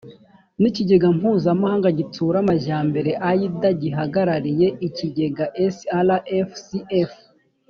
n ikigega mpuzamahanga gitsura amajyambere ida gihagarariye ikigega srf cf